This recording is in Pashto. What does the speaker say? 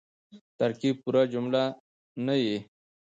ترکیب پوره جمله نه يي.